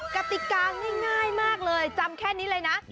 กติกาง่ายมากเลยจำแค่นี้เลยนะ